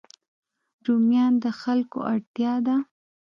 رومیان د خلکو اړتیا ده